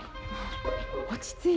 落ち着いて。